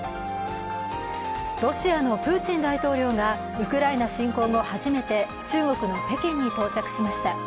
ロシアのプーチン大統領がウクライナ侵攻後、初めて中国の北京に到着しました。